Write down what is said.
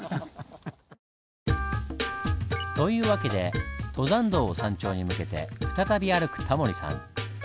というわけで登山道を山頂に向けて再び歩くタモリさん。